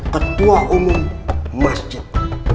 ketua umum masjid